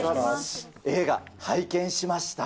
映画、拝見しました。